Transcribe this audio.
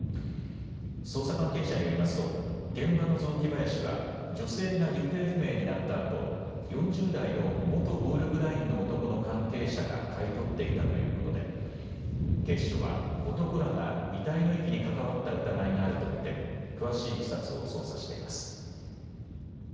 捜査関係者によりますと現場の雑木林は女性が行方不明になったあと４０代の元暴力団員の男の関係者が買い取っていたということで警視庁は男らが遺体の遺棄に関わった疑いがあると見て詳しいいきさつを捜査しています。